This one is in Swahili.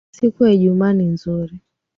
Siku ya ijumaa ni nzuri